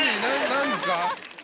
何ですか？